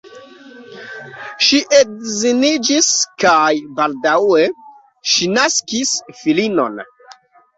Ŝi edziniĝis kaj baldaŭe ŝi naskis filinon.